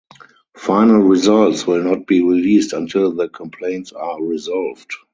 Final results will not be released until the complaints are resolved.